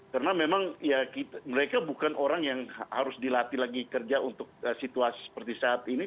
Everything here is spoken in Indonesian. karena memang mereka bukan orang yang harus dilatih lagi kerja untuk situasi seperti saat ini